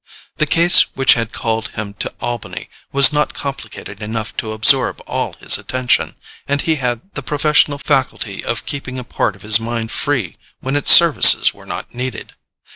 The case which had called him to Albany was not complicated enough to absorb all his attention, and he had the professional faculty of keeping a part of his mind free when its services were not needed.